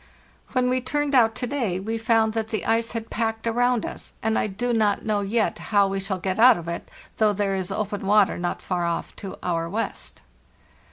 "When we turned out to day we found that the ice 349 FARTHEST NORTH had packed around us, and I do not know yet how we shall get out of it, though there is open water not far off to our west.